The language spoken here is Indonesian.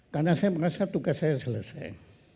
karena saya merasa tugas saya selesai